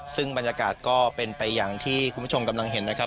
ซึ่งบรรยากาศก็เป็นไปอย่างที่คุณผู้ชมกำลังเห็นนะครับ